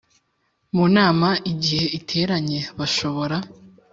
Mu nama igihe iteranye bashobora